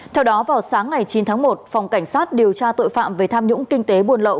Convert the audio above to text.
theo đó vào sáng ngày chín tháng một phòng cảnh sát điều tra tội phạm về tham nhũng kinh tế buôn lậu